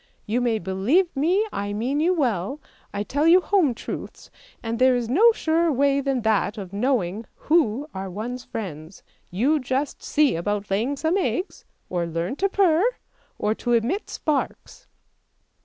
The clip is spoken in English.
You may believe me I mean you well, I tell you home truths, and there is no surer way than that of knowing who are one's friends. You just see about laying some eggs, or learn to purr, or to emit sparks."